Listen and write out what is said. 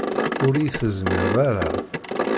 Ur yi-tezmireḍ ara